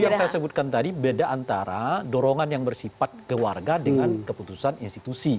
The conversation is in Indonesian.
yang saya sebutkan tadi beda antara dorongan yang bersifat ke warga dengan keputusan institusi